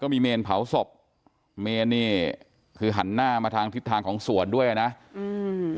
มีเมนเผาศพเมนนี่คือหันหน้ามาทางทิศทางของสวนด้วยอ่ะนะอืม